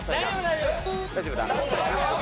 大丈夫だ。